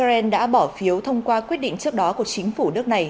quốc hội israel đã bỏ phiếu thông qua quyết định trước đó của chính phủ nước này